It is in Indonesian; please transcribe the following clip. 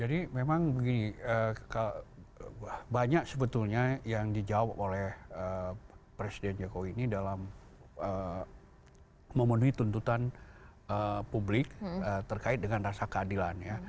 jadi memang begini banyak sebetulnya yang dijawab oleh presiden jokowi ini dalam memenuhi tuntutan publik terkait dengan rasa keadilan